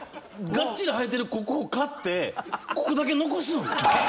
がっちり生えてるここを刈ってここだけ残すん？